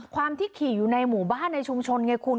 ความที่ขี่อยู่ในหมู่บ้านในชุมชนไงคุณ